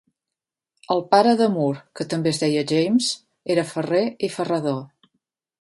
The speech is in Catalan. El pare de Moore, que també es deia James, era ferrer i ferrador.